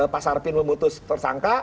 pak sarpin memutus tersangka